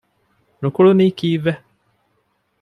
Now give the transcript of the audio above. ނުކުޅުނީ ކީއްވެ؟